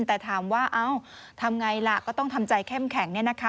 แต่ถามว่าเอ้าทำไงล่ะก็ต้องทำใจแค่มแข็งเนี่ยนะคะ